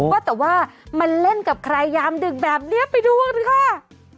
ว่าแต่ว่ามันเล่นกับใครยามดึกแบบนี้ไปดูกันค่ะ